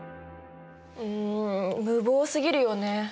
うん無謀すぎるよね。